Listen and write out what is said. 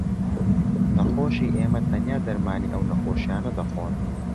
نەخۆشی ئێمە تەنیا دەرمانی ئەو نەخۆشییانە دەخۆن